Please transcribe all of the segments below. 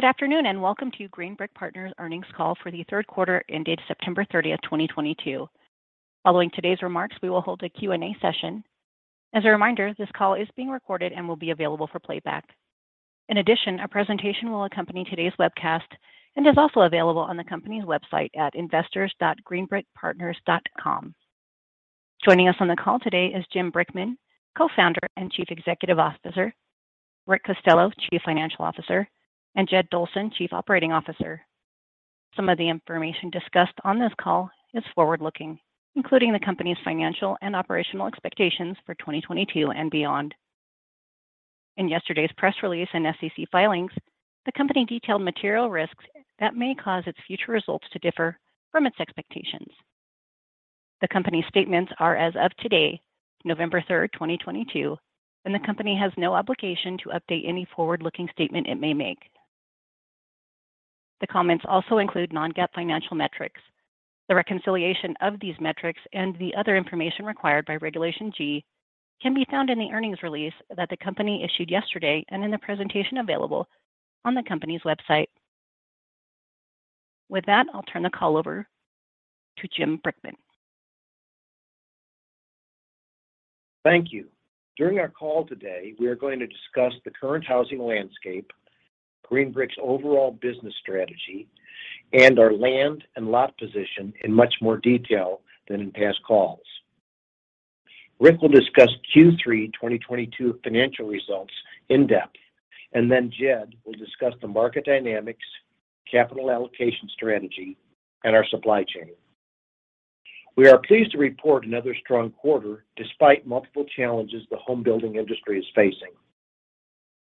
Good afternoon, and welcome to Green Brick Partners earnings call for the third quarter ended September 30th, 2022. Following today's remarks, we will hold a Q&A session. As a reminder, this call is being recorded and will be available for playback. In addition, a presentation will accompany today's webcast and is also available on the company's website at investors.greenbrickpartners.com. Joining us on the call today is Jim Brickman, Co-founder and Chief Executive Officer, Rick Costello, Chief Financial Officer, and Jed Dolson, Chief Operating Officer. Some of the information discussed on this call is forward-looking, including the company's financial and operational expectations for 2022 and beyond. In yesterday's press release and SEC filings, the company detailed material risks that may cause its future results to differ from its expectations. The company's statements are as of today, November 3rd, 2022, and the company has no obligation to update any forward-looking statement it may make. The comments also include non-GAAP financial metrics. The reconciliation of these metrics and the other information required by Regulation G can be found in the earnings release that the company issued yesterday and in the presentation available on the company's website. With that, I'll turn the call over to Jim Brickman. Thank you. During our call today, we are going to discuss the current housing landscape, Green Brick's overall business strategy, and our land and lot position in much more detail than in past calls. Rick will discuss Q3 2022 financial results in depth, and then Jed will discuss the market dynamics, capital allocation strategy, and our supply chain. We are pleased to report another strong quarter despite multiple challenges the home building industry is facing.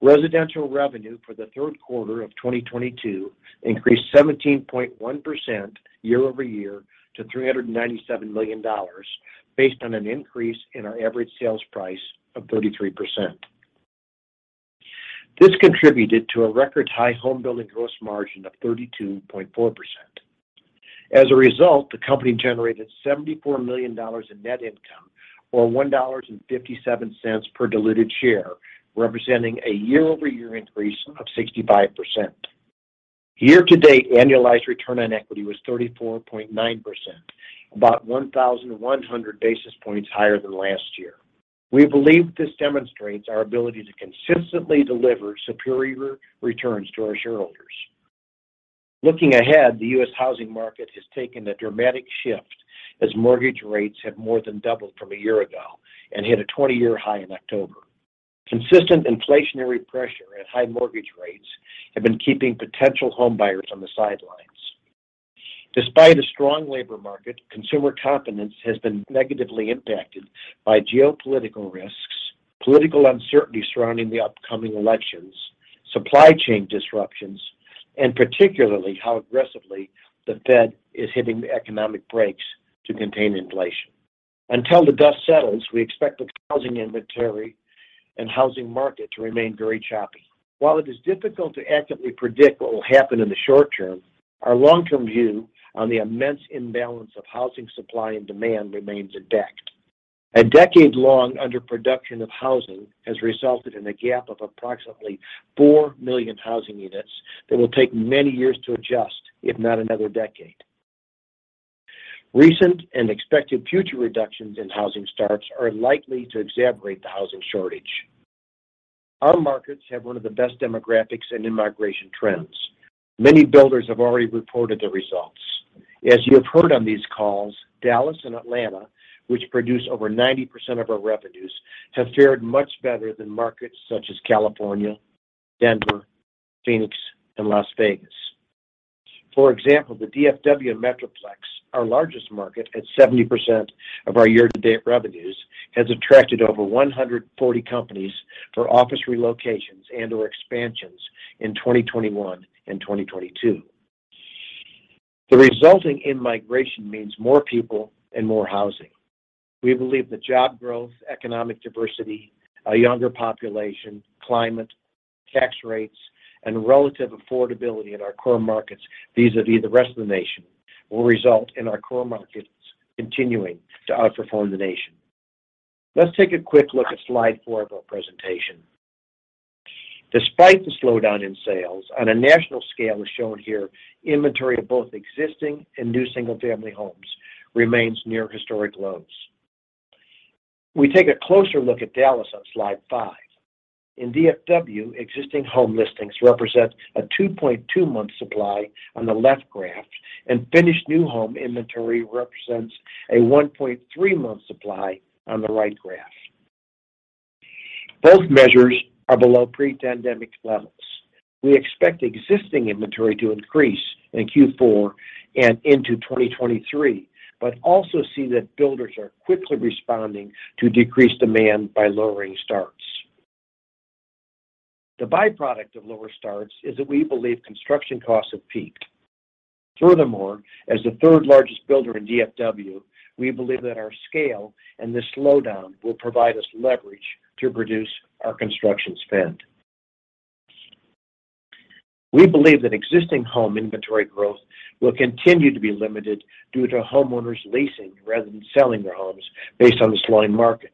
Residential revenue for the third quarter of 2022 increased 17.1% year-over-year to $397 million based on an increase in our average sales price of 33%. This contributed to a record high home building gross margin of 32.4%. As a result, the company generated $74 million in net income, or $1.57 per diluted share, representing a year-over-year increase of 65%. Year to date, annualized return on equity was 34.9%, about 1,100 basis points higher than last year. We believe this demonstrates our ability to consistently deliver superior returns to our shareholders. Looking ahead, the U.S. housing market has taken a dramatic shift as mortgage rates have more than doubled from a year ago and hit a 20-year high in October. Consistent inflationary pressure and high mortgage rates have been keeping potential home buyers on the sidelines. Despite a strong labor market, consumer confidence has been negatively impacted by geopolitical risks, political uncertainty surrounding the upcoming elections, supply chain disruptions, and particularly how aggressively the Fed is hitting the economic brakes to contain inflation. Until the dust settles, we expect the housing inventory and housing market to remain very choppy. While it is difficult to accurately predict what will happen in the short term, our long-term view on the immense imbalance of housing supply and demand remains intact. A decade-long underproduction of housing has resulted in a gap of approximately four million housing units that will take many years to adjust, if not another decade. Recent and expected future reductions in housing starts are likely to exacerbate the housing shortage. Our markets have one of the best demographics and immigration trends. Many builders have already reported their results. As you have heard on these calls, Dallas and Atlanta, which produce over 90% of our revenues, have fared much better than markets such as California, Denver, Phoenix, and Las Vegas. For example, the DFW Metroplex, our largest market at 70% of our year-to-date revenues, has attracted over 140 companies for office relocations and/or expansions in 2021 and 2022. The resulting in-migration means more people and more housing. We believe the job growth, economic diversity, a younger population, climate, tax rates, and relative affordability in our core markets, vis-à-vis the rest of the nation, will result in our core markets continuing to outperform the nation. Let's take a quick look at slide four of our presentation. Despite the slowdown in sales, on a national scale as shown here, inventory of both existing and new single-family homes remains near historic lows. We take a closer look at Dallas on slide five. In DFW, existing home listings represent a 2.2-month supply on the left graph, and finished new home inventory represents a 1.3-month supply on the right graph. Both measures are below pre-pandemic levels. We expect existing inventory to increase in Q4 and into 2023, but also see that builders are quickly responding to decreased demand by lowering starts. The byproduct of lower starts is that we believe construction costs have peaked. Furthermore, as the third-largest builder in DFW, we believe that our scale and this slowdown will provide us leverage to reduce our construction spend. We believe that existing home inventory growth will continue to be limited due to homeowners leasing rather than selling their homes based on the slowing market.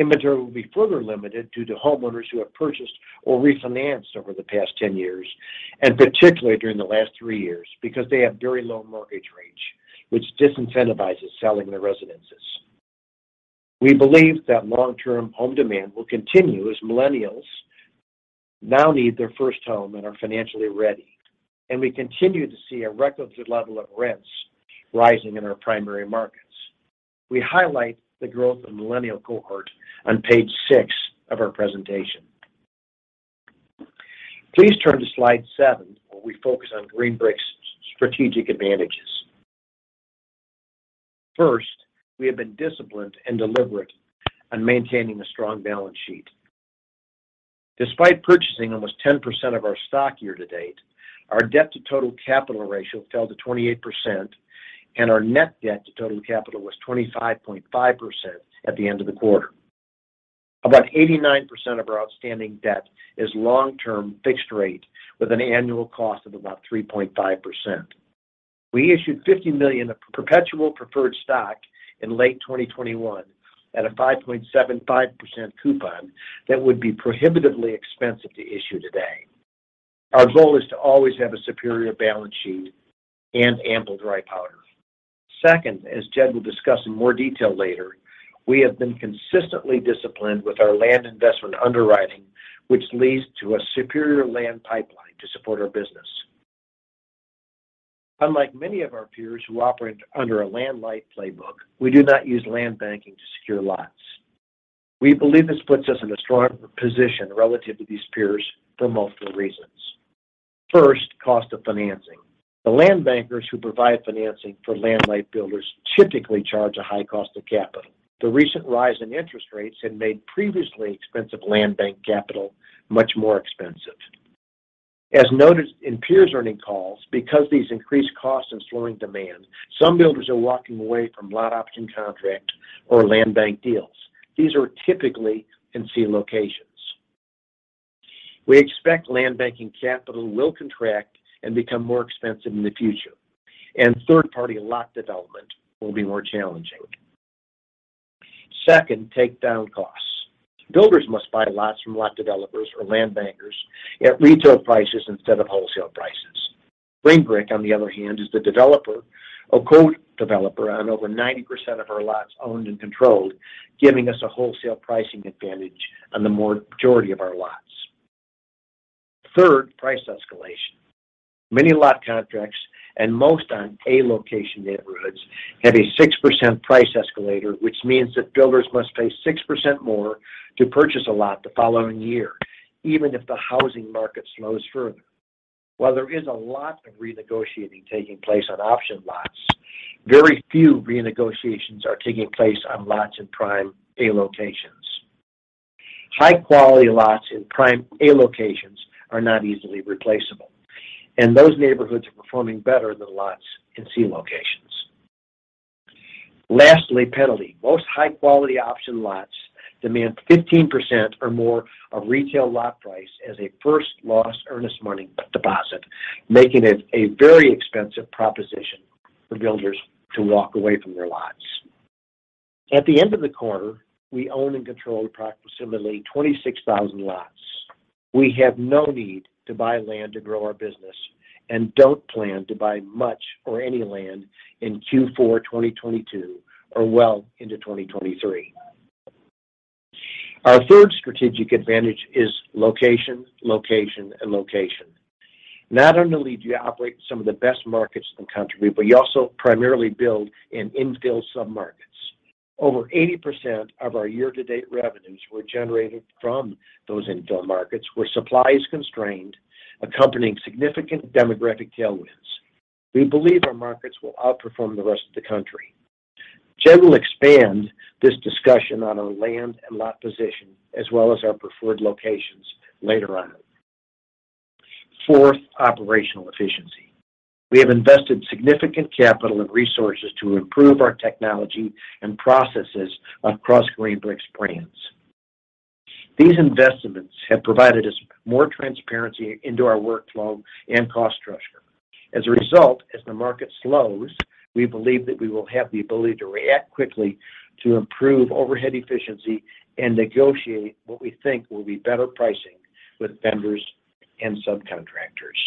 Inventory will be further limited due to homeowners who have purchased or refinanced over the past 10 years, and particularly during the last three years because they have very low mortgage rates, which disincentivizes selling their residences. We believe that long-term home demand will continue as millennials now need their first home and are financially ready. We continue to see a record good level of rents rising in our primary markets. We highlight the growth of millennial cohort on page six of our presentation. Please turn to slide seven, where we focus on Green Brick's strategic advantages. First, we have been disciplined and deliberate on maintaining a strong balance sheet. Despite purchasing almost 10% of our stock year to date, our debt to total capital ratio fell to 28%, and our net debt to total capital was 25.5% at the end of the quarter. About 89% of our outstanding debt is long-term fixed rate with an annual cost of about 3.5%. We issued $50 million of perpetual preferred stock in late 2021 at a 5.75% coupon that would be prohibitively expensive to issue today. Our goal is to always have a superior balance sheet and ample dry powder. Second, as Jed will discuss in more detail later, we have been consistently disciplined with our land investment underwriting, which leads to a superior land pipeline to support our business. Unlike many of our peers who operate under a land light playbook, we do not use land banking to secure lots. We believe this puts us in a stronger position relative to these peers for multiple reasons. First, cost of financing. The land bankers who provide financing for land light builders typically charge a high cost of capital. The recent rise in interest rates have made previously expensive land bank capital much more expensive. As noted in peers' earnings calls, because these increased costs and slowing demand, some builders are walking away from lot option contract or land bank deals. These are typically in C locations. We expect land banking capital will contract and become more expensive in the future, and third-party lot development will be more challenging. Second, take down costs. Builders must buy lots from lot developers or land bankers at retail prices instead of wholesale prices. Green Brick, on the other hand, is the developer or co-developer on over 90% of our lots owned and controlled, giving us a wholesale pricing advantage on the majority of our lots. Third, price escalation. Many lot contracts and most on A location neighborhoods have a 6% price escalator, which means that builders must pay 6% more to purchase a lot the following year, even if the housing market slows further. While there is a lot of renegotiating taking place on option lots, very few renegotiations are taking place on lots in prime A locations. High-quality lots in prime A locations are not easily replaceable, and those neighborhoods are performing better than lots in C locations. Lastly, penalty. Most high-quality option lots demand 15% or more of retail lot price as a first loss earnest money deposit, making it a very expensive proposition for builders to walk away from their lots. At the end of the quarter, we own and control approximately 26,000 lots. We have no need to buy land to grow our business and don't plan to buy much or any land in Q4 2022 or well into 2023. Our third strategic advantage is location, and location. Not only do you operate some of the best markets in the country, but you also primarily build in infill submarkets. Over 80% of our year-to-date revenues were generated from those infill markets where supply is constrained, accompanying significant demographic tailwinds. We believe our markets will outperform the rest of the country. Jed will expand this discussion on our land and lot position, as well as our preferred locations later on. Fourth, operational efficiency. We have invested significant capital and resources to improve our technology and processes across Green Brick's brands. These investments have provided us more transparency into our workflow and cost structure. As a result, as the market slows, we believe that we will have the ability to react quickly to improve overhead efficiency and negotiate what we think will be better pricing with vendors and subcontractors.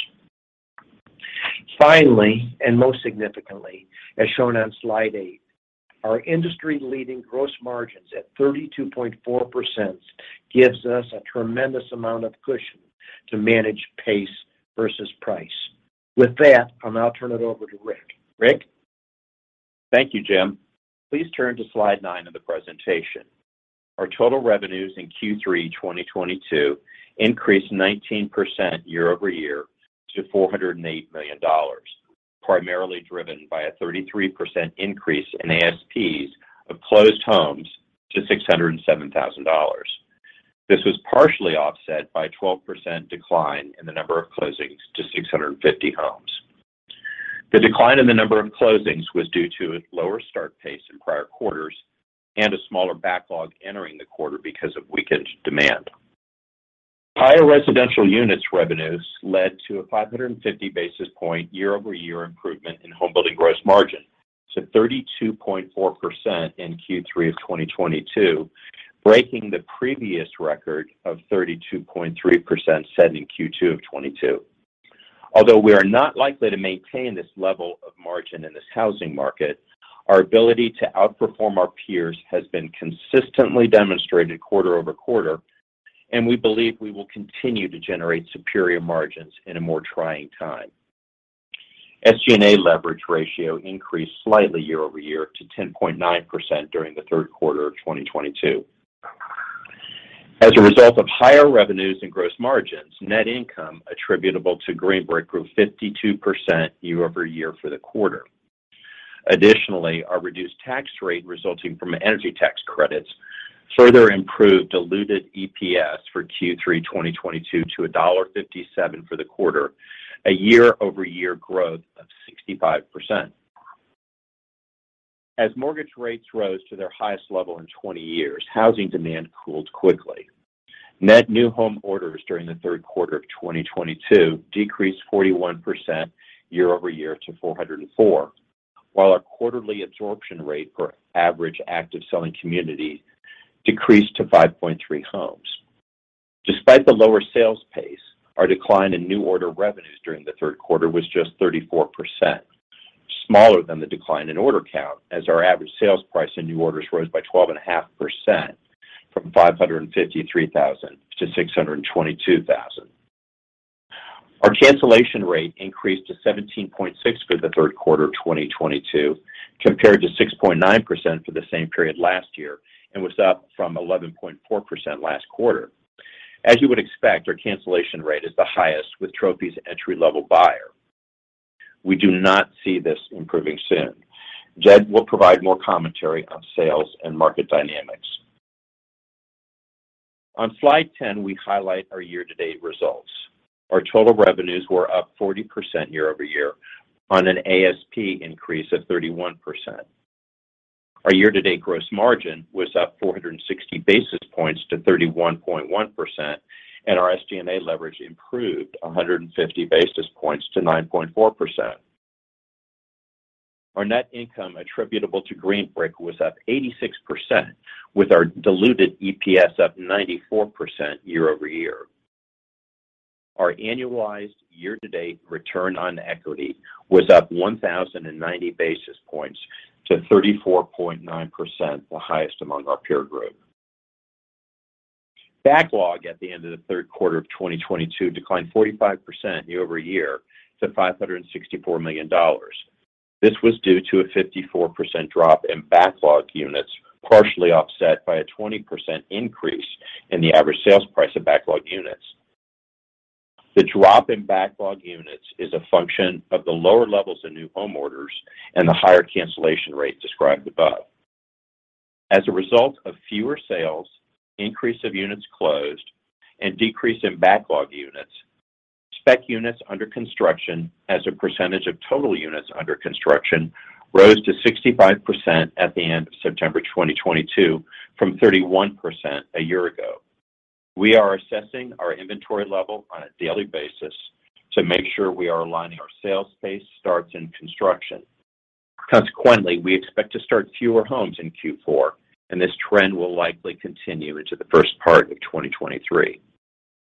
Finally, and most significantly, as shown on slide eight, our industry-leading gross margins at 32.4% gives us a tremendous amount of cushion to manage pace versus price. With that, I'll now turn it over to Rick. Rick? Thank you, Jim. Please turn to slide nine of the presentation. Our total revenues in Q3 2022 increased 19% year-over-year to $408 million, primarily driven by a 33% increase in ASPs of closed homes to $607,000. This was partially offset by a 12% decline in the number of closings to 650 homes. The decline in the number of closings was due to a lower start pace in prior quarters and a smaller backlog entering the quarter because of weakened demand. Higher residential units revenues led to a 550 basis point year-over-year improvement in home building gross margin to 32.4% in Q3 of 2022, breaking the previous record of 32.3% set in Q2 of 2022. Although we are not likely to maintain this level of margin in this housing market, our ability to outperform our peers has been consistently demonstrated quarter-over-quarter, and we believe we will continue to generate superior margins in a more trying time. SG&A leverage ratio increased slightly year-over-year to 10.9% during the third quarter of 2022. As a result of higher revenues and gross margins, net income attributable to Green Brick Partners increased 52% year-over-year for the quarter. Additionally, our reduced tax rate resulting from energy tax credits further improved diluted EPS for Q3 2022 to $1.57 for the quarter, a year-over-year growth of 65%. As mortgage rates rose to their highest level in 20 years, housing demand cooled quickly. Net new home orders during the third quarter of 2022 decreased 41% year-over-year to 404, while our quarterly absorption rate per average active selling community decreased to 5.3 homes. Despite the lower sales pace, our decline in new order revenues during the third quarter was just 34%, smaller than the decline in order count as our average sales price in new orders rose by 12.5% from $553,000 to $622,000. Our cancellation rate increased to 17.6% for the third quarter of 2022, compared to 6.9% for the same period last year, and was up from 11.4% last quarter. As you would expect, our cancellation rate is the highest with Trophy's entry-level buyer. We do not see this improving soon. Jed will provide more commentary on sales and market dynamics. On slide 10, we highlight our year-to-date results. Our total revenues were up 40% year-over-year on an ASP increase of 31%. Our year-to-date gross margin was up 460 basis points to 31.1%, and our SG&A leverage improved 150 basis points to 9.4%. Our net income attributable to Green Brick was up 86%, with our diluted EPS up 94% year-over-year. Our annualized year-to-date return on equity was up 1,090 basis points to 34.9%, the highest among our peer group. Backlog at the end of the third quarter of 2022 declined 45% year-over-year to $564 million. This was due to a 54% drop in backlog units, partially offset by a 20% increase in the average sales price of backlog units. The drop in backlog units is a function of the lower levels of new home orders and the higher cancellation rate described above. As a result of fewer sales, increase of units closed, and decrease in backlog units, spec units under construction as a percentage of total units under construction rose to 65% at the end of September 2022 from 31% a year ago. We are assessing our inventory level on a daily basis to make sure we are aligning our sales pace starts and construction. Consequently, we expect to start fewer homes in Q4, and this trend will likely continue into the first part of 2023.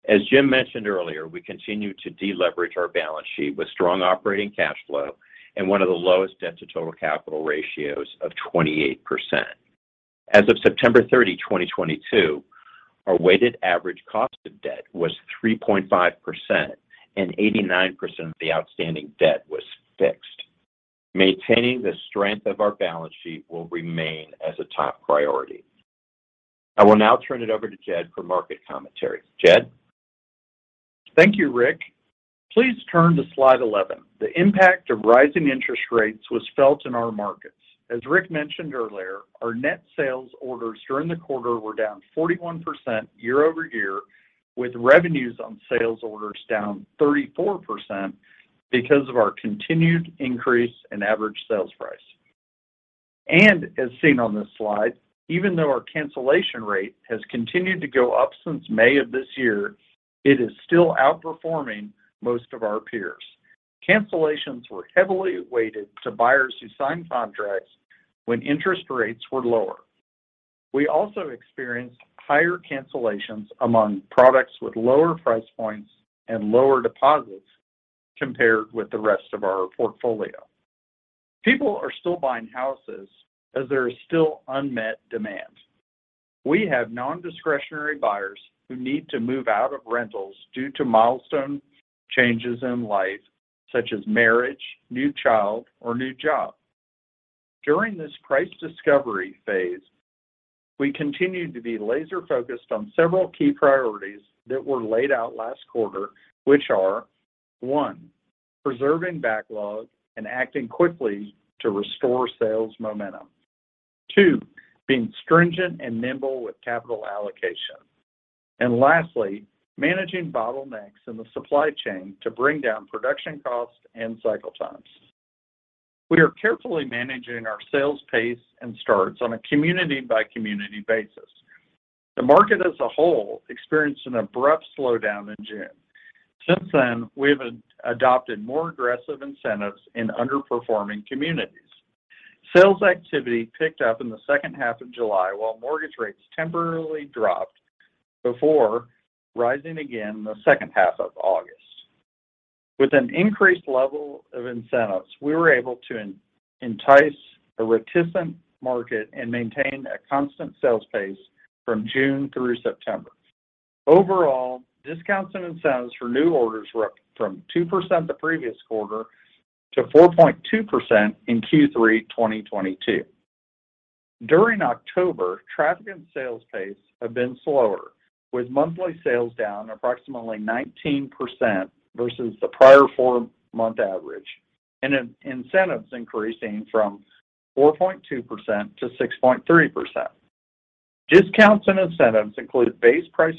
As Jim mentioned earlier, we continue to deleverage our balance sheet with strong operating cash flow and one of the lowest debt to total capital ratios of 28%. As of September 30, 2022, our weighted average cost of debt was 3.5% and 89% of the outstanding debt was fixed. Maintaining the strength of our balance sheet will remain as a top priority. I will now turn it over to Jed for market commentary. Jed? Thank you, Rick. Please turn to slide 11. The impact of rising interest rates was felt in our markets. As Rick mentioned earlier, our net sales orders during the quarter were down 41% year-over-year, with revenues on sales orders down 34% because of our continued increase in average sales price. As seen on this slide, even though our cancellation rate has continued to go up since May of this year, it is still outperforming most of our peers. Cancellations were heavily weighted to buyers who signed contracts when interest rates were lower. We also experienced higher cancellations among products with lower price points and lower deposits compared with the rest of our portfolio. People are still buying houses as there is still unmet demand. We have nondiscretionary buyers who need to move out of rentals due to milestone changes in life, such as marriage, new child or new job. During this price discovery phase, we continued to be laser focused on several key priorities that were laid out last quarter, which are, one, preserving backlog and acting quickly to restore sales momentum. Two, being stringent and nimble with capital allocation. Lastly, managing bottlenecks in the supply chain to bring down production costs and cycle times. We are carefully managing our sales pace and starts on a community by community basis. The market as a whole experienced an abrupt slowdown in June. Since then, we have adopted more aggressive incentives in underperforming communities. Sales activity picked up in the second half of July while mortgage rates temporarily dropped before rising again in the second half of August. With an increased level of incentives, we were able to entice a reticent market and maintain a constant sales pace from June through September. Overall, discounts and incentives for new orders were up from 2% the previous quarter to 4.2% in Q3 2022. During October, traffic and sales pace have been slower, with monthly sales down approximately 19% versus the prior four-month average and incentives increasing from 4.2% to 6.3%. Discounts and incentives include base price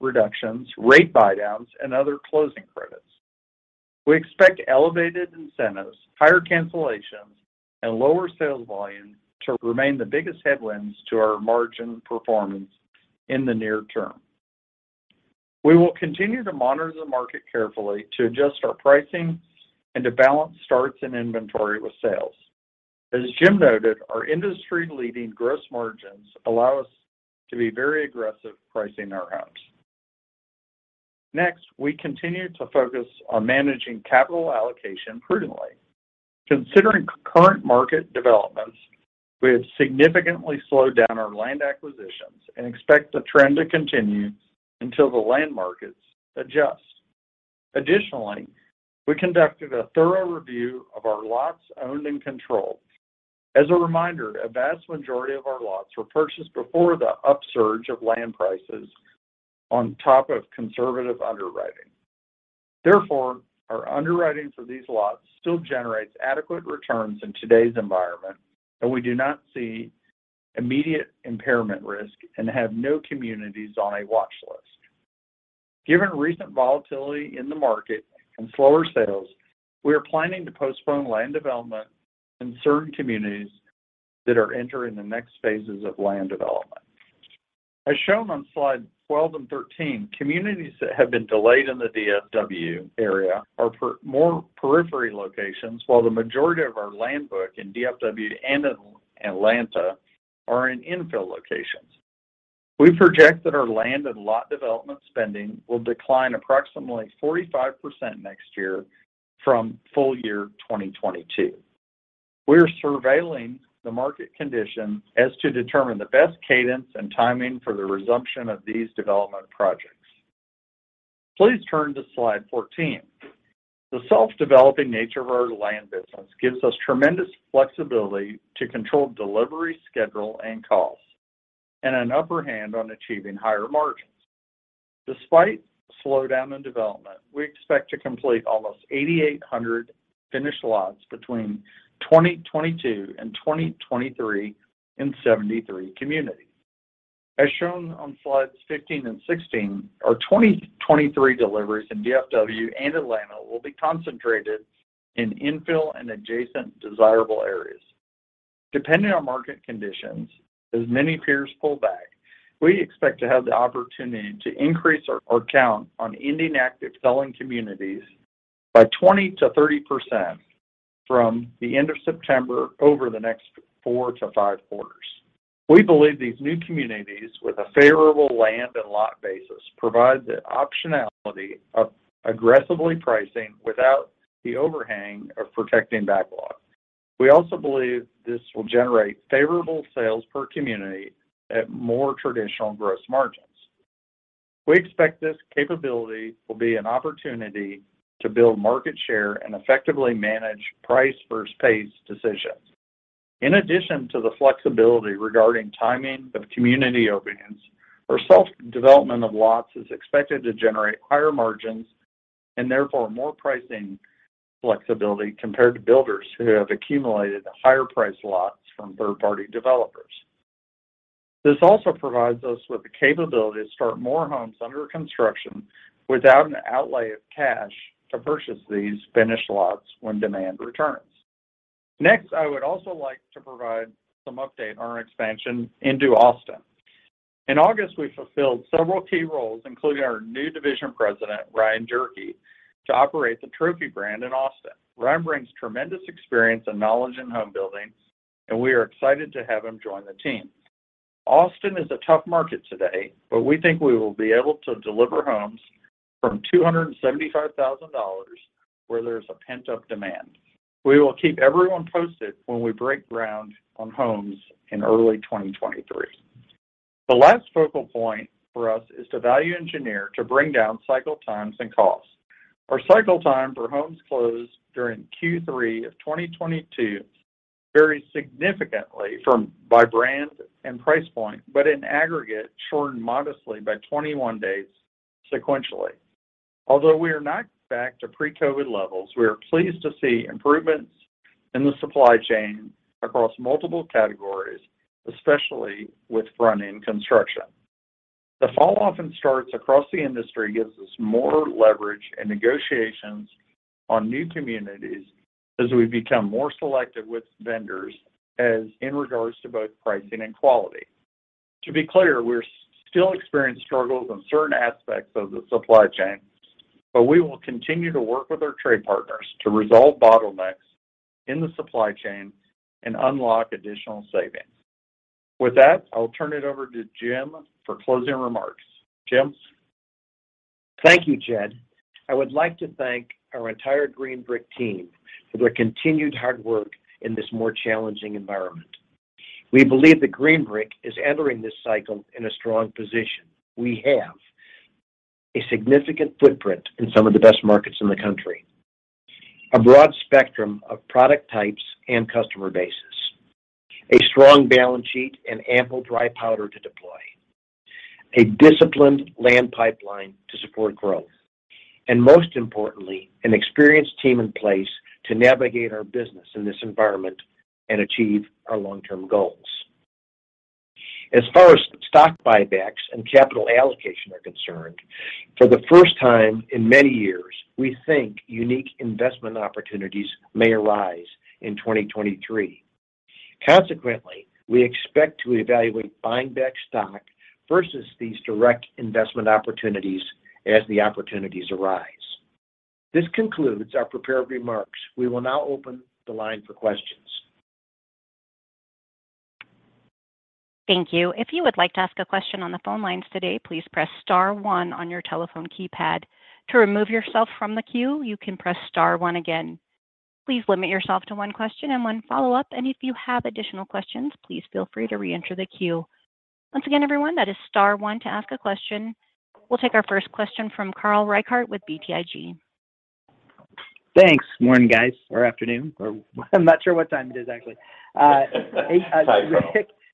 reductions, rate buydowns, and other closing credits. We expect elevated incentives, higher cancellations, and lower sales volume to remain the biggest headwinds to our margin performance in the near term. We will continue to monitor the market carefully to adjust our pricing and to balance starts and inventory with sales. As Jim noted, our industry-leading gross margins allow us to be very aggressive pricing our homes. Next, we continue to focus on managing capital allocation prudently. Considering current market developments, we have significantly slowed down our land acquisitions and expect the trend to continue until the land markets adjust. Additionally, we conducted a thorough review of our lots owned and controlled. As a reminder, a vast majority of our lots were purchased before the upsurge of land prices on top of conservative underwriting. Therefore, our underwriting for these lots still generates adequate returns in today's environment, and we do not see immediate impairment risk and have no communities on a watch list. Given recent volatility in the market and slower sales, we are planning to postpone land development in certain communities that are entering the next phases of land development. As shown on slide 12 and 13, communities that have been delayed in the DFW area are more peripheral locations, while the majority of our land book in DFW and in Atlanta are in infill locations. We project that our land and lot development spending will decline approximately 45% next year from full year 2022. We are surveying the market conditions to determine the best cadence and timing for the resumption of these development projects. Please turn to slide 14. The self-developing nature of our land business gives us tremendous flexibility to control delivery schedule and costs, and an upper hand on achieving higher margins. Despite slowdown in development, we expect to complete almost 8,800 finished lots between 2022 and 2023 in 73 communities. As shown on slides 15 and 16, our 2023 deliveries in DFW and Atlanta will be concentrated in infill and adjacent desirable areas. Depending on market conditions, as many peers pull back, we expect to have the opportunity to increase our count on ending active selling communities by 20%-30% from the end of September over the next four to five quarters. We believe these new communities with a favorable land and lot basis provide the optionality of aggressively pricing without the overhang of protecting backlog. We also believe this will generate favorable sales per community at more traditional gross margins. We expect this capability will be an opportunity to build market share and effectively manage price per phase decisions. In addition to the flexibility regarding timing of community openings, our self-development of lots is expected to generate higher margins and therefore more pricing flexibility compared to builders who have accumulated higher priced lots from third-party developers. This also provides us with the capability to start more homes under construction without an outlay of cash to purchase these finished lots when demand returns. Next, I would also like to provide some update on our expansion into Austin. In August, we fulfilled several key roles, including our new division president, Ryan Durkee, to operate the Trophy brand in Austin. Ryan brings tremendous experience and knowledge in home building, and we are excited to have him join the team. Austin is a tough market today, but we think we will be able to deliver homes from $275,000 where there's a pent-up demand. We will keep everyone posted when we break ground on homes in early 2023. The last focal point for us is to value engineer to bring down cycle times and costs. Our cycle time for homes closed during Q3 of 2022 vary significantly by brand and price point, but in aggregate, shortened modestly by 21 days sequentially. Although we are not back to pre-COVID levels, we are pleased to see improvements in the supply chain across multiple categories, especially with front-end construction. The fall-off in starts across the industry gives us more leverage in negotiations on new communities as we become more selective with vendors as in regards to both pricing and quality. To be clear, we're still experiencing struggles on certain aspects of the supply chain, but we will continue to work with our trade partners to resolve bottlenecks in the supply chain and unlock additional savings. With that, I'll turn it over to Jim for closing remarks. Jim. Thank you, Jed. I would like to thank our entire Green Brick team for their continued hard work in this more challenging environment. We believe that Green Brick is entering this cycle in a strong position. We have a significant footprint in some of the best markets in the country, a broad spectrum of product types and customer bases, a strong balance sheet and ample dry powder to deploy, a disciplined land pipeline to support growth, and most importantly, an experienced team in place to navigate our business in this environment and achieve our long-term goals. As far as stock buybacks and capital allocation are concerned, for the first time in many years, we think unique investment opportunities may arise in 2023. Consequently, we expect to evaluate buying back stock versus these direct investment opportunities as the opportunities arise. This concludes our prepared remarks. We will now open the line for questions. Thank you. If you would like to ask a question on the phone lines today, please press star one on your telephone keypad. To remove yourself from the queue, you can press star one again. Please limit yourself to one question and one follow-up. If you have additional questions, please feel free to re-enter the queue. Once again, everyone, that is star one to ask a question. We'll take our first question from Carl Reichardt with BTIG. Thanks. Morning, guys, or afternoon, or I'm not sure what time it is, actually. Hi,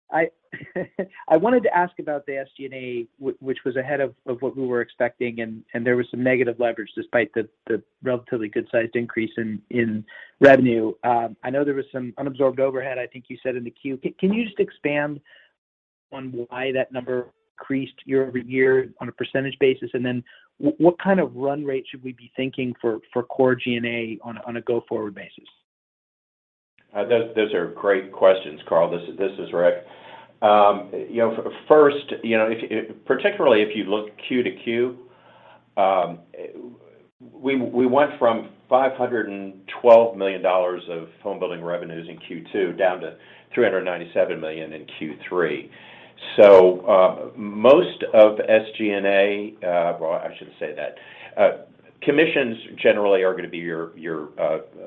Carl. I wanted to ask about the SG&A, which was ahead of what we were expecting, and there was some negative leverage despite the relatively good-sized increase in revenue. I know there was some unabsorbed overhead, I think you said in the Q. Can you just expand on why that number increased year-over-year on a percentage basis? What kind of run rate should we be thinking for core G&A on a go-forward basis? Those are great questions, Carl. This is Rick. You know, first, you know, if particularly if you look Q-to-Q, we went from $512 million of home building revenues in Q2 down to $397 million in Q3. Most of SG&A. Well, I shouldn't say that. Commissions generally are going to be your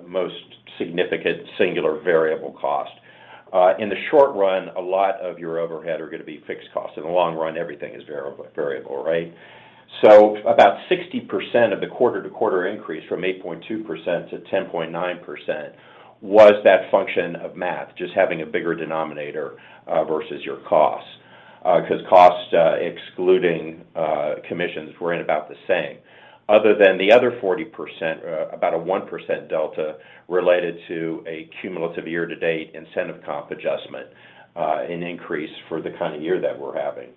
most significant singular variable cost. In the short run, a lot of your overhead are going to be fixed costs. In the long run, everything is variable, right? So about 60% of the quarter-to-quarter increase from 8.2% to 10.9% was that function of math, just having a bigger denominator versus your costs. 'Cause costs excluding commissions were in about the same. Other than the other 40%, about a 1% delta related to a cumulative year-to-date incentive comp adjustment, an increase for the kind of year that we're having.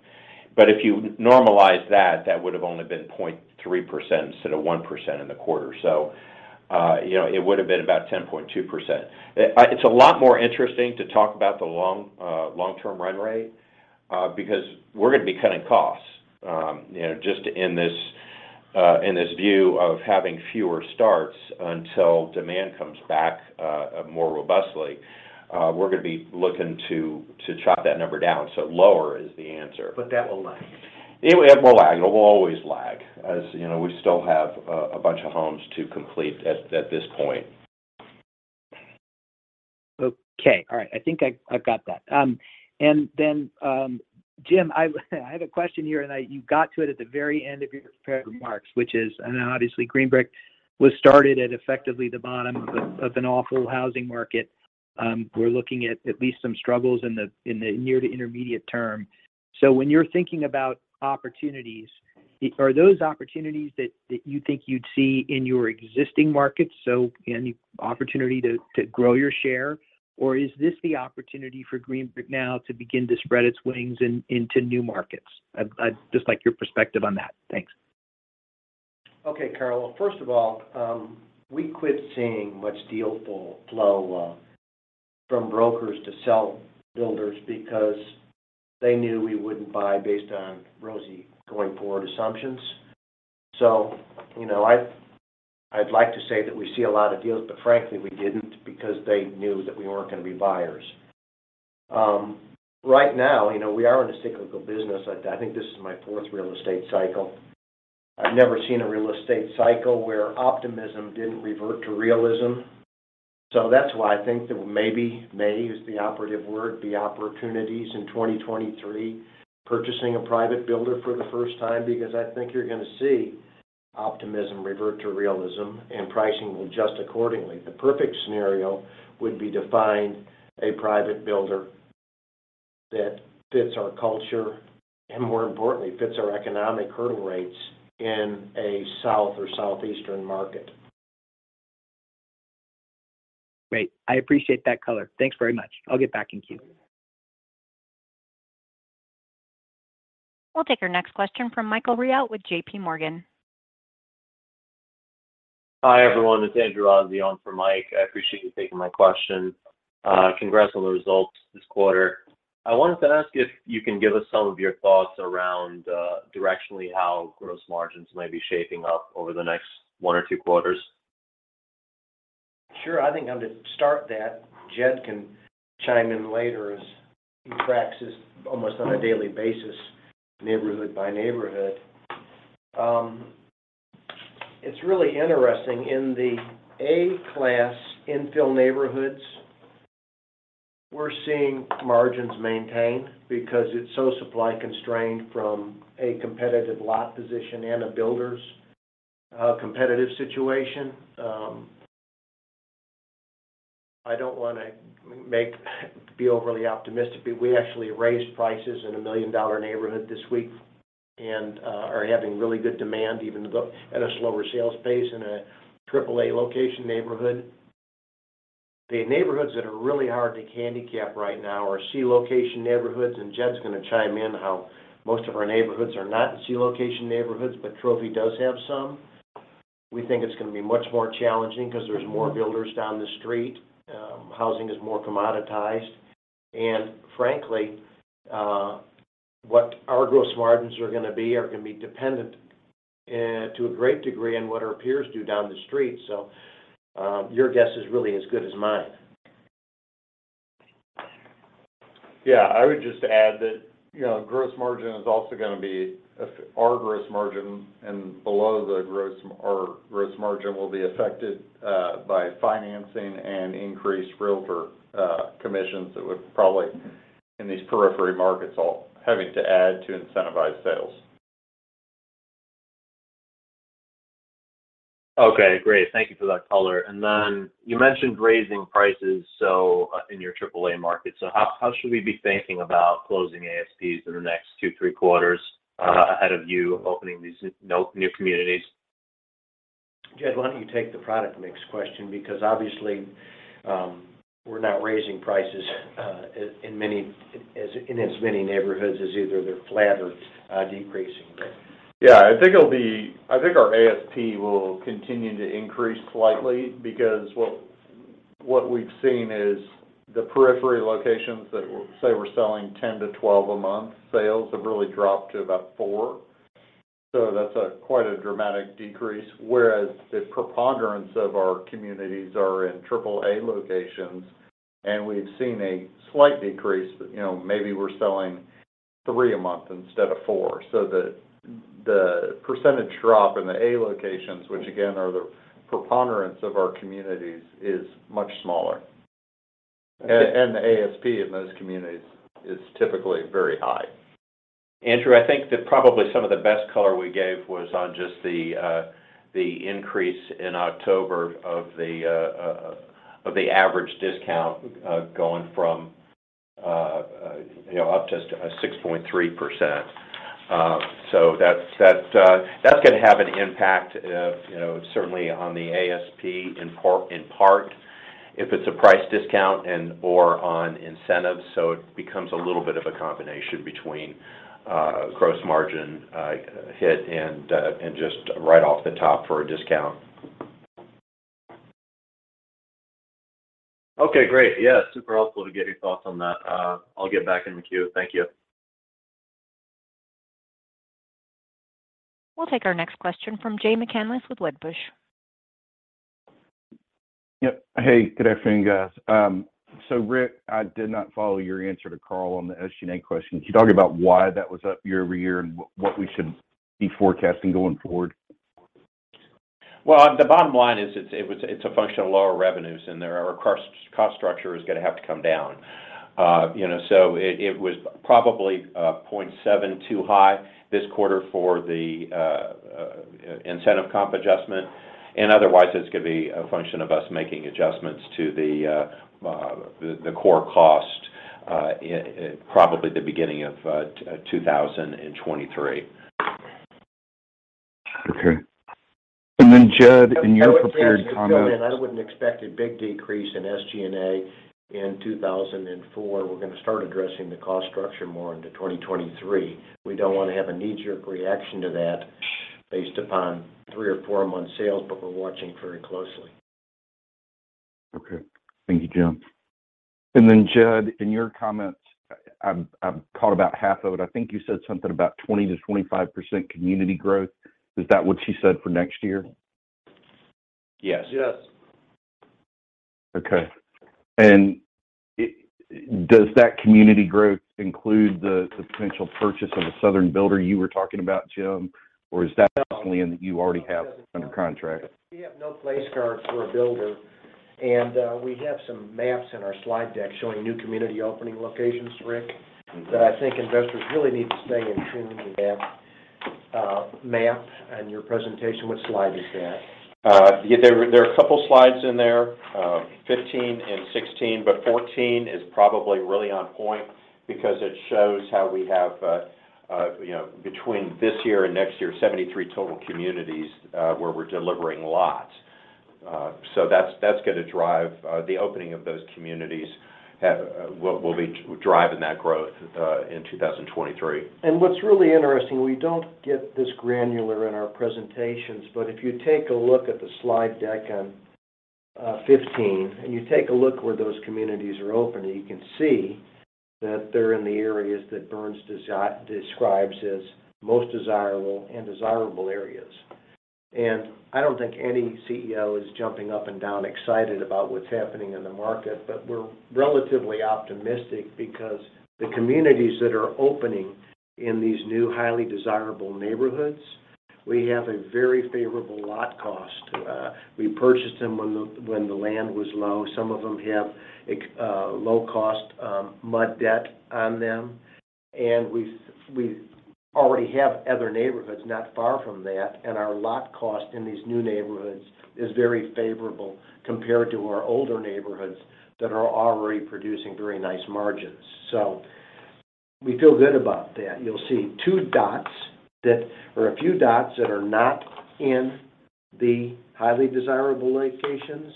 If you normalize that would have only been 0.3% instead of 1% in the quarter. You know, it would have been about 10.2%. It's a lot more interesting to talk about the long-term run rate, because we're going to be cutting costs. You know, just in this view of having fewer starts until demand comes back more robustly, we're going to be looking to chop that number down. Lower is the answer. But that will lag. It will lag. It will always lag. As you know, we still have a bunch of homes to complete at this point. Okay. All right. I've got that. Jim, I have a question here, and you got to it at the very end of your prepared remarks, which is, obviously Green Brick was started at effectively the bottom of an awful housing market. We're looking at least some struggles in the near to intermediate term. When you're thinking about opportunities, are those opportunities that you think you'd see in your existing markets, so any opportunity to grow your share? Or is this the opportunity for Green Brick now to begin to spread its wings into new markets? I'd just like your perspective on that. Thanks. Okay, Carl. Well, first of all, we quit seeing much deal flow from brokers to sell builders because they knew we wouldn't buy based on rosy going-forward assumptions. You know, I'd like to say that we see a lot of deals, but frankly, we didn't because they knew that we weren't going to be buyers. Right now, you know, we are in a cyclical business. I think this is my fourth real estate cycle. I've never seen a real estate cycle where optimism didn't revert to realism. That's why I think that maybe, may is the operative word, be opportunities in 2023, purchasing a private builder for the first time, because I think you're going to see optimism revert to realism and pricing will adjust accordingly. The perfect scenario would be to find a private builder that fits our culture and more importantly, fits our economic hurdle rates in a South or Southeastern market. Great. I appreciate that color. Thanks very much. I'll get back in queue. We'll take our next question from Michael Rehaut with J.P. Morgan. Hi, everyone. It's Andrew Rossi on for Mike. I appreciate you taking my question. Congrats on the results this quarter. I wanted to ask if you can give us some of your thoughts around directionally how gross margins may be shaping up over the next one or two quarters. Sure. I think I'm gonna start that. Jed can chime in later as he tracks this almost on a daily basis, neighborhood by neighborhood. It's really interesting. In the A class infill neighborhoods, we're seeing margins maintained because it's so supply constrained from a competitive lot position and a builder's competitive situation. I don't wanna be overly optimistic, but we actually raised prices in a million-dollar neighborhood this week and are having really good demand even though at a slower sales pace in a triple A location neighborhood. The neighborhoods that are really hard to handicap right now are C location neighborhoods, and Jed's gonna chime in how most of our neighborhoods are not C location neighborhoods, but Trophy does have some. We think it's gonna be much more challenging because there's more builders down the street, housing is more commoditized. Frankly, what our gross margins are gonna be dependent to a great degree on what our peers do down the street. Your guess is really as good as mine. Yeah. I would just add that, you know, our gross margin and or gross margin will be affected by financing and increased realtor commissions that we're probably in these periphery markets all having to add to incentivize sales. Okay. Great. Thank you for that color. You mentioned raising prices in your triple A market. How should we be thinking about closing ASPs in the next two, three quarters ahead of you opening these new communities? Jed, why don't you take the product mix question? Because obviously, we're not raising prices in as many neighborhoods as either they're flat or decreasing. But I think our ASP will continue to increase slightly because what we've seen is the periphery locations that say we're selling 10-12 a month, sales have really dropped to about four.. That's quite a dramatic decrease, whereas the preponderance of our communities are in triple A locations, and we've seen a slight decrease. You know, maybe we're selling three a month instead of four. The percentage drop in the A locations, which again are the preponderance of our communities, is much smaller. The ASP in those communities is typically very high. Andrew, I think that probably some of the best color we gave was on just the increase in October of the average discount going from you know up to 6.3%. So that's gonna have an impact you know certainly on the ASP in part if it's a price discount and/or on incentives, so it becomes a little bit of a combination between gross margin hit and just right off the top for a discount. Okay, great. Yeah, super helpful to get your thoughts on that. I'll get back in the queue. Thank you. We'll take our next question from Jay McCanless with Wedbush. Yep. Hey, good afternoon, guys. Rick, I did not follow your answer to Carl on the SG&A question. Can you talk about why that was up year-over-year and what we should be forecasting going forward? Well, the bottom line is it's a function of lower revenues, and our cost structure is gonna have to come down. You know, it was probably 0.7 too high this quarter for the incentive comp adjustment. Otherwise, it's gonna be a function of us making adjustments to the core cost at probably the beginning of 2023. Okay. Jed, in your prepared comments. If I could just fill in, I wouldn't expect a big decrease in SG&A in 2004. We're gonna start addressing the cost structure more into 2023. We don't wanna have a knee-jerk reaction to that based upon three- or four-month sales, but we're watching very closely. Okay. Thank you, Jim. Then Jed, in your comments, I've caught about half of it. I think you said something about 20%-25% community growth. Is that what you said for next year? Yes. Yes. Okay. Does that community growth include the potential purchase of a southern builder you were talking about, Jim? Or is that definitely something that you already have under contract? We have no place cards for a builder, and we have some maps in our slide deck showing new community opening locations, Rick. Mm-hmm. I think investors really need to stay in tune with that map. In your presentation, what slide is that? Yeah, there are a couple slides in there, 15 and 16, but 14 is probably really on point because it shows how we have, you know, between this year and next year, 73 total communities, where we're delivering lot That's gonna drive the opening of those communities will be driving that growth in 2023. What's really interesting, we don't get this granular in our presentations, but if you take a look at the slide deck on 15, and you take a look where those communities are opening, you can see that they're in the areas that Burns describes as most desirable areas. I don't think any CEO is jumping up and down excited about what's happening in the market, but we're relatively optimistic because the communities that are opening in these new highly desirable neighborhoods, we have a very favorable lot cost. We purchased them when the land was low. Some of them have low cost MUD debt on them. We've already have other neighborhoods not far from that, and our lot cost in these new neighborhoods is very favorable compared to our older neighborhoods that are already producing very nice margins. We feel good about that. You'll see two dots or a few dots that are not in the highly desirable locations.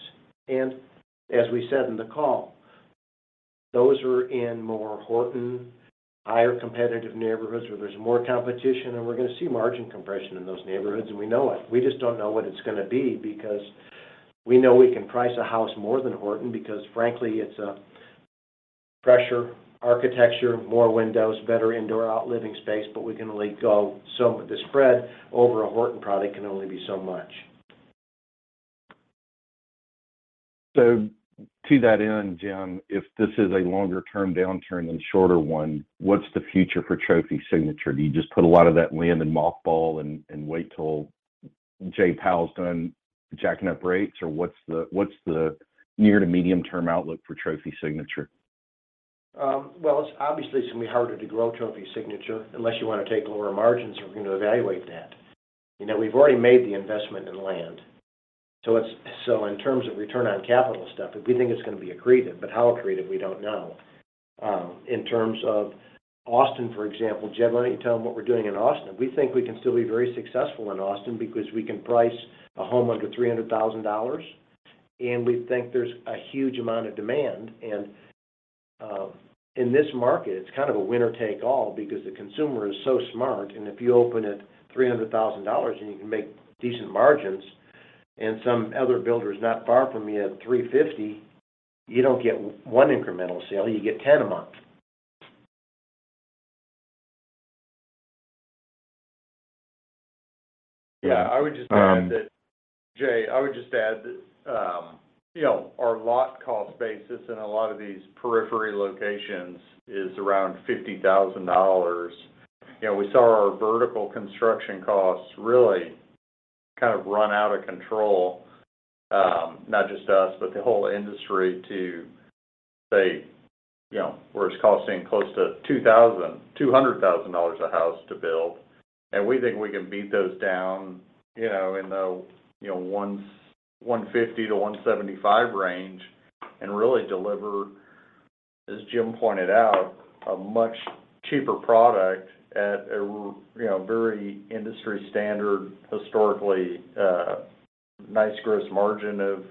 As we said in the call, those are in more D.R. Horton, higher competitive neighborhoods where there's more competition, and we're gonna see margin compression in those neighborhoods, and we know it. We just don't know what it's gonna be because we know we can price a house more than D.R. Horton because frankly, it's a fresher architecture, more windows, better indoor-out living space, but the spread over a D.R. Horton product can only be so much. To that end, Jim, if this is a longer term downturn than shorter one, what's the future for Trophy Signature? Do you just put a lot of that land in mothball and wait till Jerome Powell's done jacking up rates? Or what's the near to medium term outlook for Trophy Signature? It's obviously gonna be harder to grow Trophy Signature unless you wanna take lower margins. We're gonna evaluate that. You know, we've already made the investment in land. So in terms of return on capital stuff, we think it's gonna be accretive. But how accretive? We don't know. In terms of Austin, for example, Jed, why don't you tell them what we're doing in Austin? We think we can still be very successful in Austin because we can price a home under $300,000, and we think there's a huge amount of demand. In this market, it's kind of a winner take all because the consumer is so smart. If you open at $300,000, and you can make decent margins, and some other builder's not far from you at $350,000, you don't get one incremental sale, you get 10 a month. Yeah. I would just add that, Jay, you know, our lot cost basis in a lot of these periphery locations is around $50,000. You know, we saw our vertical construction costs really kind of run out of control, not just us, but the whole industry to say, you know, where it's costing close to $200,000 a house to build. We think we can beat those down, you know, in the, you know, $150,000-$175,000 range and really deliver, as Jim pointed out, a much cheaper product at a you know, very industry standard, historically, nice gross margin of,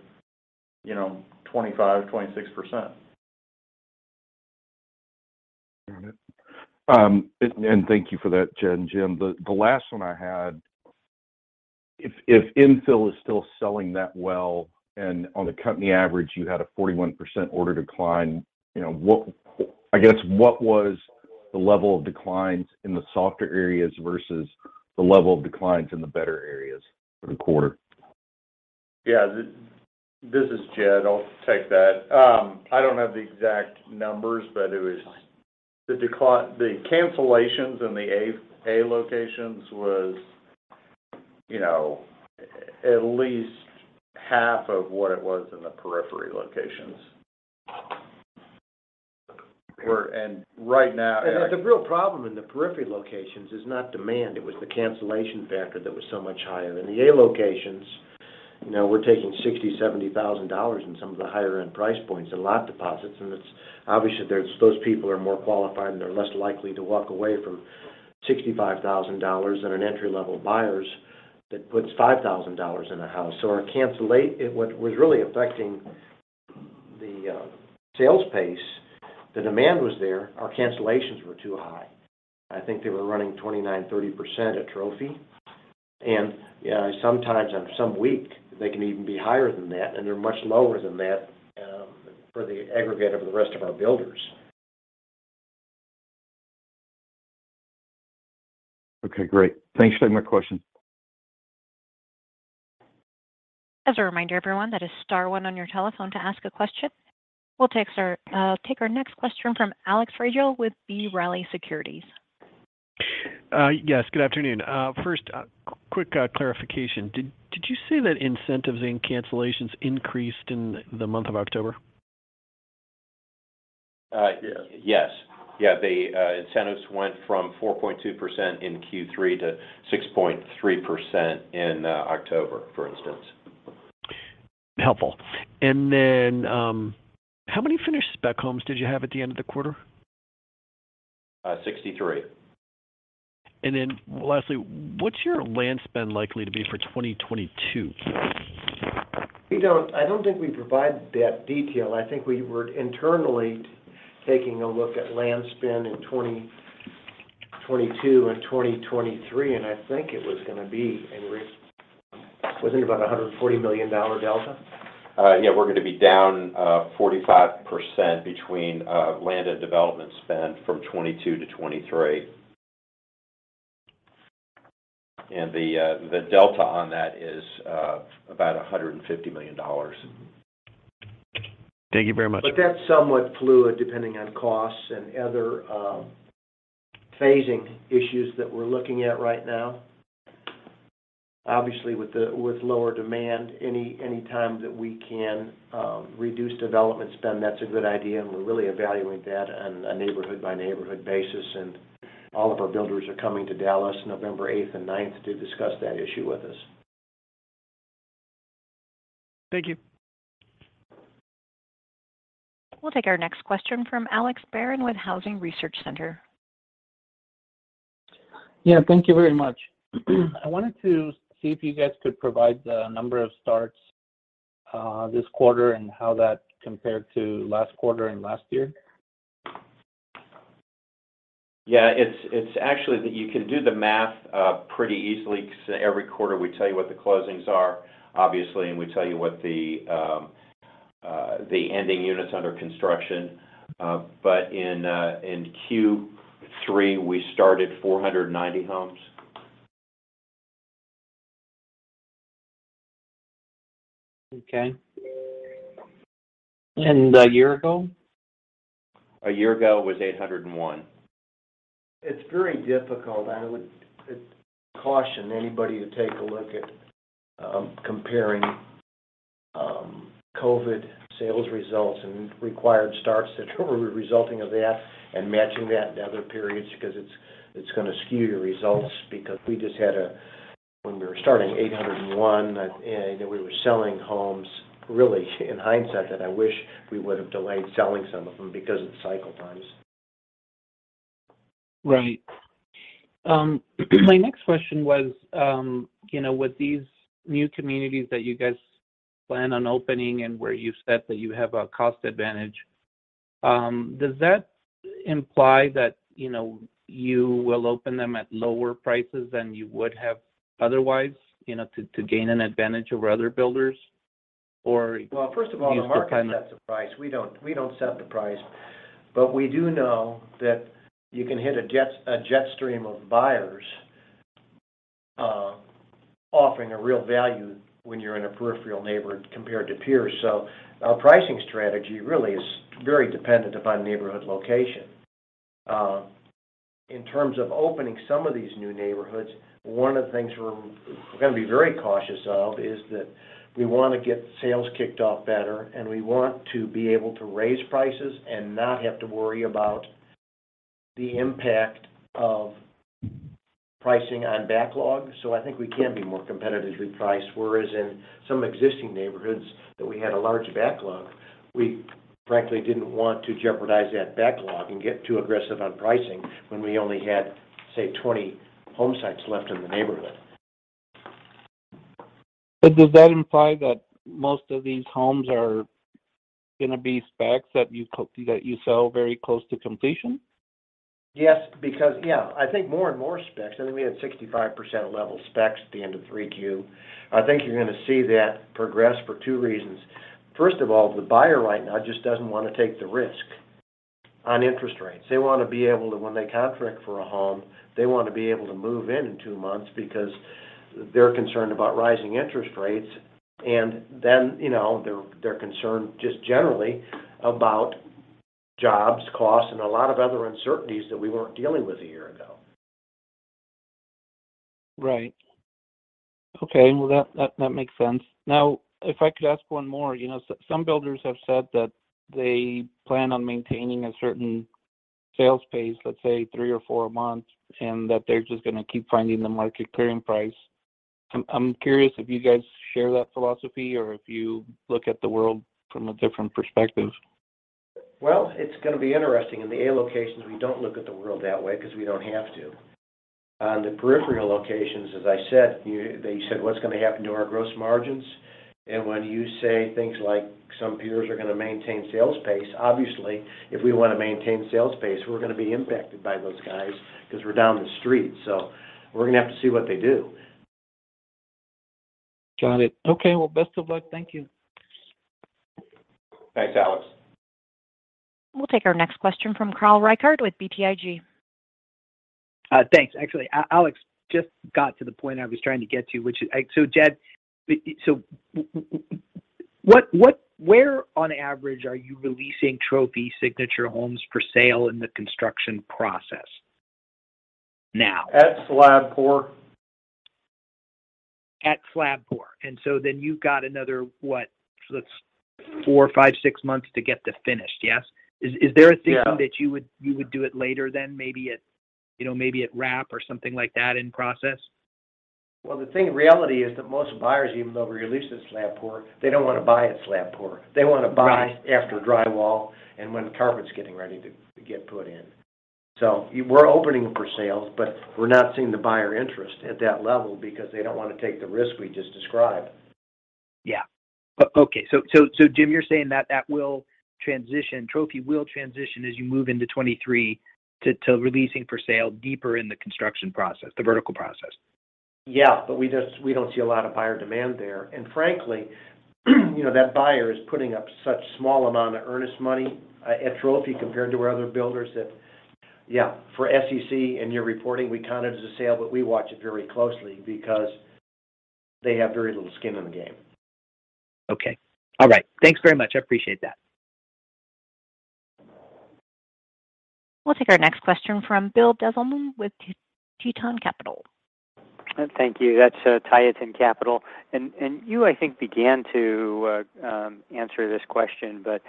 you know, 25%-26%. Got it. Thank you for that, Jed and Jim. The last one I had, if infill is still selling that well, and on the company average, you had a 41% order decline, you know, I guess what was the level of declines in the softer areas versus the level of declines in the better areas for the quarter? Yeah. This is Jed. I'll take that. I don't have the exact numbers, but it was the cancellations in the A locations was, you know, at least half of what it was in the periphery locations. Right now, The real problem in the periphery locations is not demand. It was the cancellation factor that was so much higher. In the A locations, you know, we're taking $60,000-$70,000 in some of the higher end price points in lot deposits, and it's obviously there's those people are more qualified, and they're less likely to walk away from $65,000 than an entry-level buyers that puts $5,000 in a house. So our what was really affecting the sales pace, the demand was there. Our cancellations were too high. I think they were running 29%-30% at Trophy. You know, sometimes on some week, they can even be higher than that, and they're much lower than that for the aggregate of the rest of our builders. Okay, great. Thanks. That's my question. As a reminder, everyone, that is star one on your telephone to ask a question. We'll take our next question from Alex Rygiel with B. Riley Securities. Yes, good afternoon. First, a quick clarification. Did you say that incentives and cancellations increased in the month of October? Uh- Yes. Yes. Yeah. The incentives went from 4.2% in Q3 to 6.3% in October, for instance. Helpful. How many finished spec homes did you have at the end of the quarter? 63. Lastly, what's your land spend likely to be for 2022? We don't. I don't think we provide that detail. I think we were internally taking a look at land spend in 2022 and 2023, and I think it was gonna be, and Rick, was it about a $140 million dollar delta? Yeah, we're gonna be down 45% between land and development spend from 2022 to 2023. The delta on that is about $150 million. Thank you very much. That's somewhat fluid, depending on costs and other phasing issues that we're looking at right now. Obviously, with lower demand, any time that we can reduce development spend, that's a good idea, and we're really evaluating that on a neighborhood by neighborhood basis. All of our builders are coming to Dallas November 8th and 9th to discuss that issue with us. Thank you. We'll take our next question from Alex Barron with Housing Research Center. Yeah. Thank you very much. I wanted to see if you guys could provide the number of starts this quarter and how that compared to last quarter and last year? Yeah. It's actually that you can do the math pretty easily, 'cause every quarter we tell you what the closings are, obviously, and we tell you what the ending units under construction. In Q3, we started 490 homes. Okay. A year ago? A year ago was 801. It's very difficult. I would, I'd caution anybody to take a look at comparing COVID sales results and required starts that were resulting of that and matching that to other periods 'cause it's gonna skew your results. We just had, when we were starting 801, you know, we were selling homes. Really, in hindsight, that I wish we would've delayed selling some of them because of the cycle times. Right. My next question was, you know, with these new communities that you guys plan on opening and where you said that you have a cost advantage, does that imply that, you know, you will open them at lower prices than you would have otherwise, you know, to gain an advantage over other builders? Or do you plan. Well, first of all, the market sets the price. We don't set the price. We do know that you can hit a jet stream of buyers, offering a real value when you're in a peripheral neighborhood compared to peers. Our pricing strategy really is very dependent upon neighborhood location. In terms of opening some of these new neighborhoods, one of the things we're gonna be very cautious of is that we wanna get sales kicked off better, and we want to be able to raise prices and not have to worry about the impact of pricing on backlog. I think we can be more competitively priced, whereas in some existing neighborhoods that we had a large backlog, we frankly didn't want to jeopardize that backlog and get too aggressive on pricing when we only had, say, 20 homesites left in the neighborhood. Does that imply that most of these homes are gonna be specs that you sell very close to completion? Yes, because. Yeah, I think more and more specs. I think we had 65% level specs at the end of 3Q. I think you're gonna see that progress for two reasons. First of all, the buyer right now just doesn't wanna take the risk on interest rates. They wanna be able to, when they contract for a home, they wanna be able to move in in two months because they're concerned about rising interest rates, and then, you know, they're concerned just generally about jobs, costs, and a lot of other uncertainties that we weren't dealing with a year ago. Right. Okay. Well, that makes sense. Now, if I could ask one more. You know, some builders have said that they plan on maintaining a certain sales pace, let's say three or four a month, and that they're just gonna keep finding the market clearing price. I'm curious if you guys share that philosophy or if you look at the world from a different perspective. Well, it's gonna be interesting. In the A locations, we don't look at the world that way 'cause we don't have to. On the peripheral locations, as I said, you know, they said, "What's gonna happen to our gross margins?" When you say things like some peers are gonna maintain sales pace, obviously, if we wanna maintain sales pace, we're gonna be impacted by those guys 'cause we're down the street, so we're gonna have to see what they do. Got it. Okay. Well, best of luck. Thank you. Thanks, Alex. We'll take our next question from Carl Reichardt with BTIG. Thanks. Actually, Alex just got to the point I was trying to get to, which is, Jed, where on average are you releasing Trophy Signature Homes for sale in the construction process now? At slab pour. At slab pour. You've got another, what? That's four, five, six months to get to finished, yes? Is there a thinking- Yeah that you would do it later then, maybe at, you know, maybe at wrap or something like that in process? Well, the thing in reality is that most buyers, even though we release the slab pour, they don't want to buy a slab pour. Right. They want to buy after drywall and when carpet's getting ready to get put in. We're opening for sales, but we're not seeing the buyer interest at that level because they don't want to take the risk we just described. Jim, you're saying that will transition. Trophy will transition as you move into 2023 to releasing for sale deeper in the construction process, the vertical process? We just, we don't see a lot of buyer demand there. Frankly, you know, that buyer is putting up such small amount of earnest money at Trophy compared to our other builders that, yeah, for SEC and your reporting, we count it as a sale, but we watch it very closely because they have very little skin in the game. Okay. All right. Thanks very much. I appreciate that. We'll take our next question from Bill Dezellem with Tieton Capital. Thank you. That's Tieton Capital. You, I think, began to answer this question, but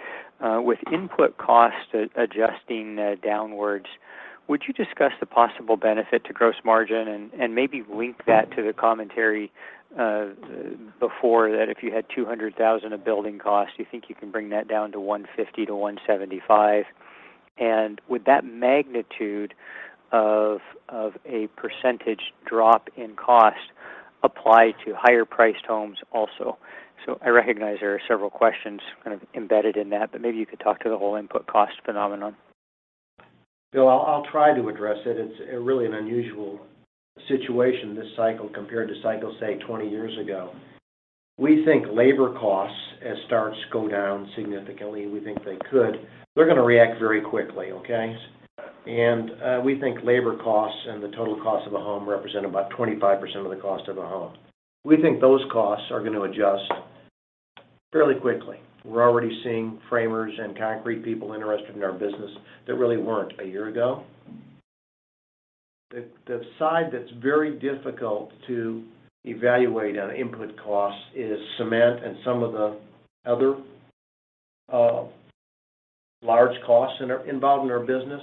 with input costs adjusting downwards, would you discuss the possible benefit to gross margin and maybe link that to the commentary before that if you had $200,000 of building costs, you think you can bring that down to $150,000-$175,000? Would that magnitude of a percentage drop in cost apply to higher priced homes also? I recognize there are several questions kind of embedded in that, but maybe you could talk to the whole input cost phenomenon. Bill, I'll try to address it. It's really an unusual situation this cycle compared to cycles, say, 20 years ago. We think labor costs as starts go down significantly, we think they could. They're going to react very quickly, okay? We think labor costs and the total cost of a home represent about 25% of the cost of a home. We think those costs are going to adjust fairly quickly. We're already seeing framers and concrete people interested in our business that really weren't a year ago. The side that's very difficult to evaluate on input costs is cement and some of the other large costs in our business.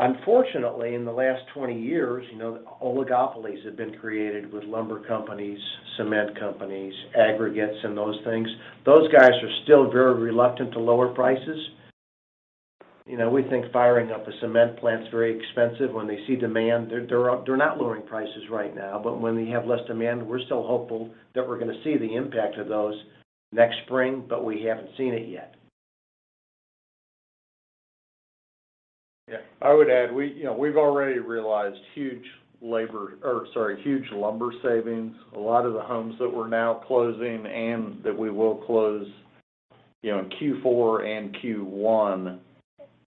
Unfortunately, in the last 20 years, you know, oligopolies have been created with lumber companies, cement companies, aggregates, and those things. Those guys are still very reluctant to lower prices. You know, we think firing up a cement plant is very expensive. When they see demand, they're not lowering prices right now. When they have less demand, we're still hopeful that we're going to see the impact of those next spring, but we haven't seen it yet. Yeah. I would add, we, you know, we've already realized huge lumber savings. A lot of the homes that we're now closing and that we will close, you know, in Q4 and Q1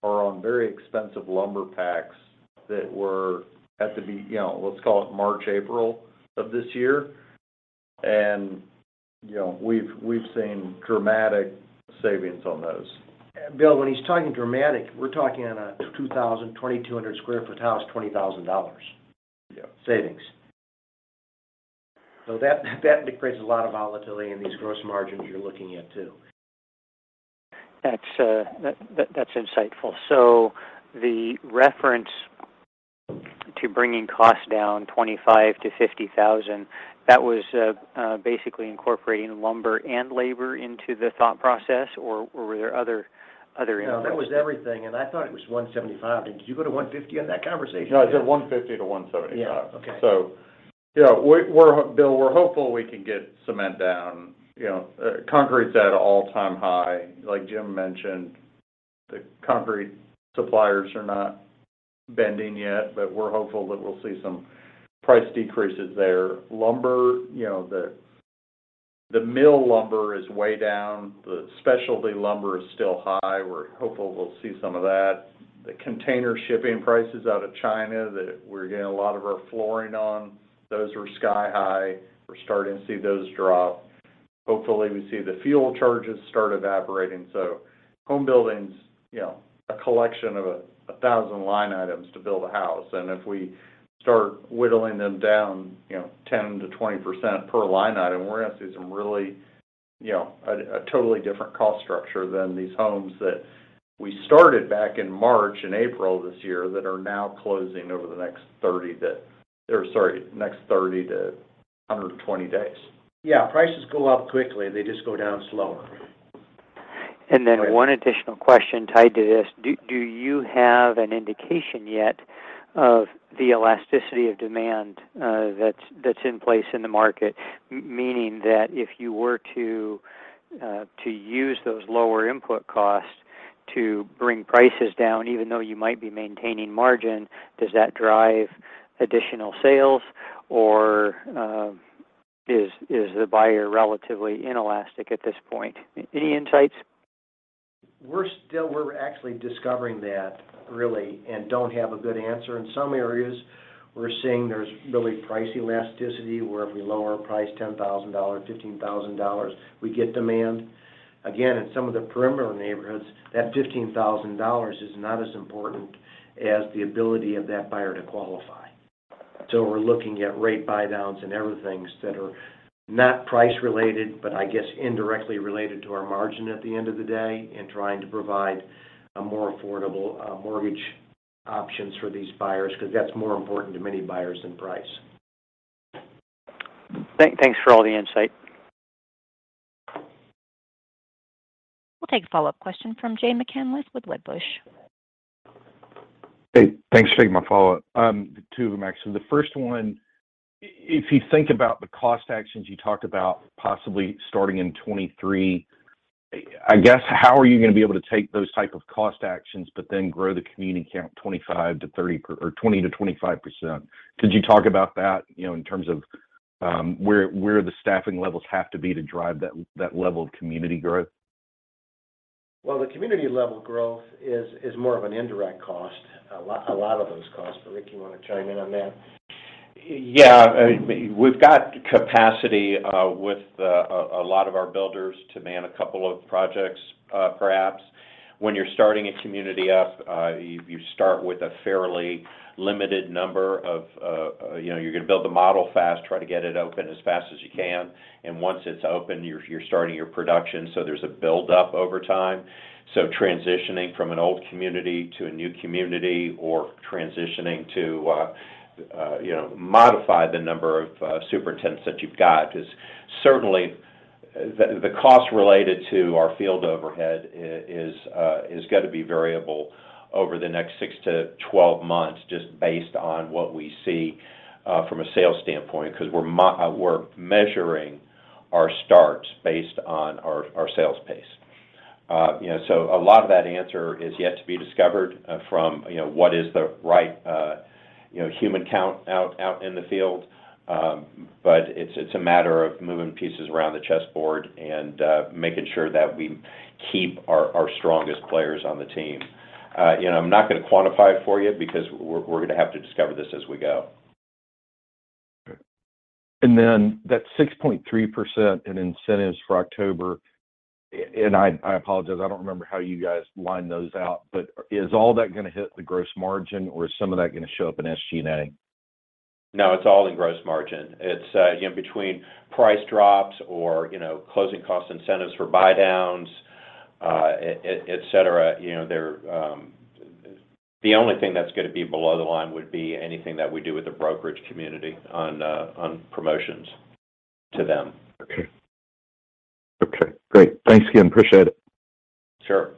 are on very expensive lumber packs that were at the, you know, let's call it March, April of this year. You know, we've seen dramatic savings on those. Bill, when he's talking dramatically, we're talking about a 2,000-2,200 sq ft house, $20,000. Yeah savings. That creates a lot of volatility in these gross margins you're looking at too. That's insightful. The reference to bringing costs down $25,000-$50,000, that was basically incorporating lumber and labor into the thought process, or were there other inputs? No, that was everything. I thought it was $175. Did you go to $150 on that conversation? No, I said $150-$175. Yeah. Okay. You know, Bill, we're hopeful we can get cement down. You know, concrete's at an all-time high. Like Jim mentioned, the concrete suppliers are not bending yet, but we're hopeful that we'll see some price decreases there. Lumber, you know, the mill lumber is way down. The specialty lumber is still high. We're hopeful we'll see some of that. The container shipping prices out of China that we're getting a lot of our flooring on, those were sky high. We're starting to see those drop. Hopefully, we see the fuel charges start evaporating. Home building is, you know, a collection of 1,000 line items to build a house, and if we start whittling them down, you know, 10%-20% per line item, we're going to see some really, you know, a totally different cost structure than these homes that we started back in March and April this year that are now closing over the next 30 to 120 days. Yeah. Prices go up quickly. They just go down slower. Then one additional question tied to this. Do you have an indication yet of the elasticity of demand that's in place in the market? Meaning that if you were to use those lower input costs to bring prices down, even though you might be maintaining margin, does that drive additional sales or is the buyer relatively inelastic at this point? Any insights? We're actually discovering that really and don't have a good answer. In some areas, we're seeing there's really price elasticity, where if we lower price $10,000, $15,000, we get demand. Again, in some of the perimeter neighborhoods, that $15,000 is not as important as the ability of that buyer to qualify. We're looking at rate buydowns and other things that are not price related, but I guess indirectly related to our margin at the end of the day in trying to provide a more affordable mortgage options for these buyers, 'cause that's more important to many buyers than price. Thanks for all the insight. We'll take a follow-up question from Jay McCanless with Wedbush. Hey, thanks for taking my follow-up. Two of them actually. The first one, if you think about the cost actions you talked about possibly starting in 2023, I guess, how are you gonna be able to take those type of cost actions but then grow the community count 20-25%? Could you talk about that, you know, in terms of where the staffing levels have to be to drive that level of community growth? Well, the community level growth is more of an indirect cost. A lot of those costs. Rick, you wanna chime in on that? Yeah, I mean, we've got capacity with a lot of our builders to man a couple of projects, perhaps. When you're starting a community up, you start with a fairly limited number of, you know, you're gonna build the model fast, try to get it open as fast as you can, and once it's open, you're starting your production, so there's a build-up over time. Transitioning from an old community to a new community or transitioning to, you know, modify the number of superintendents that you've got is certainly the cost related to our field overhead is gonna be variable over the next six-12 months just based on what we see from a sales standpoint, 'cause we're measuring our starts based on our sales pace. You know, a lot of that answer is yet to be discovered from you know what is the right you know headcount out in the field. It's a matter of moving pieces around the chessboard and making sure that we keep our strongest players on the team. You know, I'm not gonna quantify it for you because we're gonna have to discover this as we go. Okay. That 6.3% in incentives for October, and I apologize, I don't remember how you guys lined those out, but is all that gonna hit the gross margin or is some of that gonna show up in SG&A? No, it's all in gross margin. It's, you know, between price drops or, you know, closing cost incentives for buydowns, et cetera. The only thing that's gonna be below the line would be anything that we do with the brokerage community on promotions to them. Okay. Okay, great. Thanks again. Appreciate it. Sure.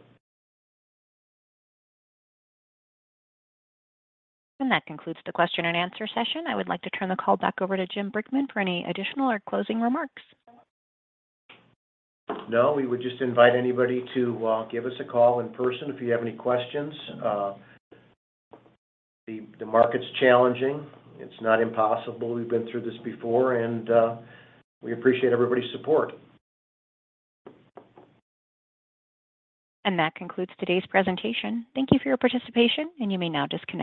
That concludes the question and answer session. I would like to turn the call back over to Jim Brickman for any additional or closing remarks. No, we would just invite anybody to give us a call in person if you have any questions. The market's challenging. It's not impossible. We've been through this before and we appreciate everybody's support. That concludes today's presentation. Thank you for your participation and you may now disconnect.